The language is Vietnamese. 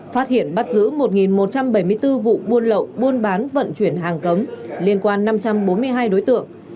phát hiện bắt giữ một một trăm bảy mươi bốn vụ buôn lậu buôn bán vận chuyển hàng cấm liên quan năm trăm bốn mươi hai đối tượng